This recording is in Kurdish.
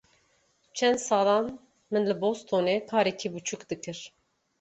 Çend salan min li Bostonê karekî biçûk dikir.